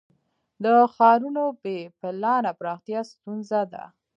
د ښارونو بې پلانه پراختیا ستونزه ده.